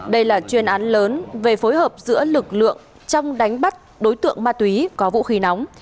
đây là chuyên án lớn về phối hợp giữa lực lượng trong đánh bắt đối tượng ma túy có vũ khí nóng